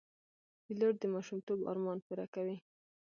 پیلوټ د ماشومتوب ارمان پوره کوي.